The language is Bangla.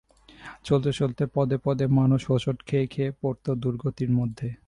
চলতে চলতে পদে পদে মানুষ হোঁচট খেয়ে খেয়ে পড়ত দুর্গতির মধ্যে।